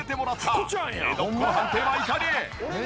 江戸っ子の判定はいかに！？